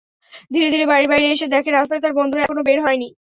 ধীরে ধীরে বাড়ির বাইরে এসে দেখে রাস্তায় তার বন্ধুরা এখনো বের হয়নি।